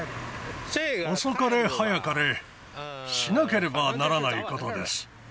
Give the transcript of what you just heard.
遅かれ早かれ、しなければならないことです。